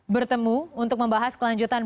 bertemu untuk membahas kelanjutan